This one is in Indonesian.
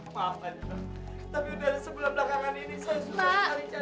maaf aja bapak tapi dari sebelah belakangan ini saya sudah